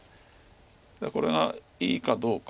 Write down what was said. これがいいかどうか。